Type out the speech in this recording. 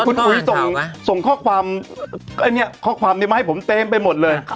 คุณอุ๊ยส่งข้อความข้อความนี้มาให้ผมเต็มไปหมดเลย